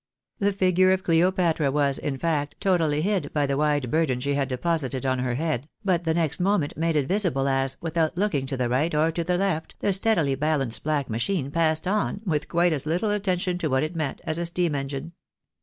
The figure of Cleopatra was, in fact, totally hid by the wide burden she had deposited on her head, but the next moment made it visible as, without looking to the rigiit or to the left, the steadily balanced black machine passed on, with quite as little attention to what it met as a steam engine.